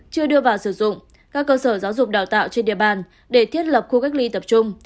chưa đưa vào sử dụng các cơ sở giáo dục đào tạo trên địa bàn để thiết lập khu cách ly tập trung